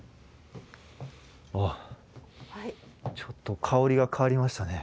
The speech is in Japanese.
あっちょっと香りが変わりましたね。